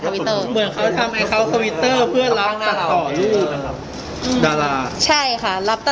เหมือนเขาทำไอ้เขาทวิตเตอร์เพื่อรับตัดต่อดารา